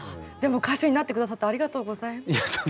でも歌手になって下さってありがとうございます。